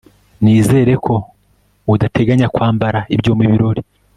Nizere ko udateganya kwambara ibyo mubirori